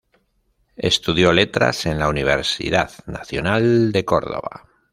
Estudió letras en la Universidad Nacional de Córdoba.